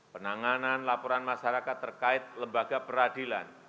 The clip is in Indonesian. penanganan laporan masyarakat terkait lembaga peradilan